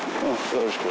よろしく。